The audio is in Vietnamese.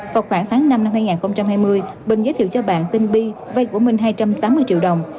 vào khoảng tháng năm năm hai nghìn hai mươi bình giới thiệu cho bạn tin bi vây của mình hai trăm tám mươi triệu đồng